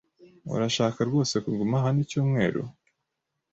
Urashaka rwose kuguma hano icyumweru?